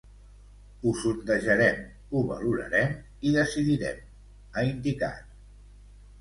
Ho sondejarem, ho valorarem i decidirem, ha indicat.